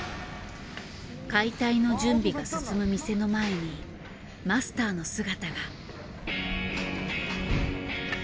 解体の準備が進む店の前にマスターの姿が。